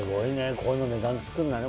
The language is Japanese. こういうの値段付くんだね